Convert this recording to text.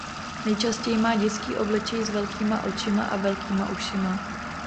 Nejčastěji má dětský obličej s velkýma očima a velkýma ušima.